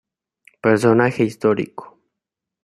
Personaje histórico.